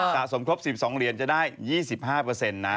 สะสมครบสิบสองเหรียญจะได้ยี่สิบห้าเปอร์เซ็นต์นะ